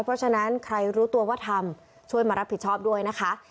เพราะฉะนั้นใครรู้ตัวว่าทำช่วยมารับผิดชอบด้วยนะคะ